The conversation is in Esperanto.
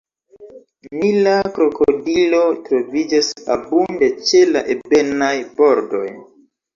Nila krokodilo troviĝas abunde ĉe la ebenaj bordoj.